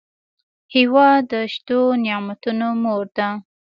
هېواد د شتو نعمتونو مور ده.